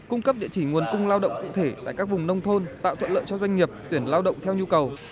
cung cấp địa chỉ nguồn cung lao động cụ thể tại các vùng nông thôn tạo thuận lợi cho doanh nghiệp tuyển lao động theo nhu cầu